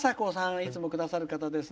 いつもくださる方ですね。